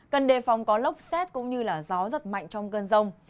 cần đề phòng có lốc xét cũng như là gió rất mạnh trong cơn rông